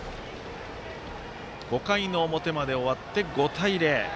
５回の表まで終わって５対０。